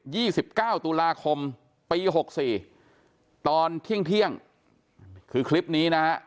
ี่สิบเก้าตุลาคมปีหกสี่ตอนเที่ยงเที่ยงคือคลิปนี้นะฮะ